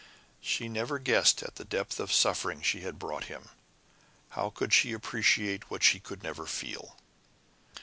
She never guessed at the depth of suffering she had brought him. How could she appreciate what she could never feel?